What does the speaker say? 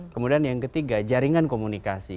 kemudian yang ketiga jaringan komunikasi